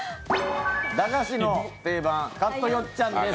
駄菓子の定番、カットよっちゃんです。